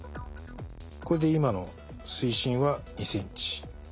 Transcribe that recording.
これで今の水深は２ｃｍ。